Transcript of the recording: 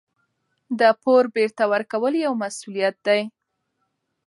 د پور بېرته ورکول یو مسوولیت دی.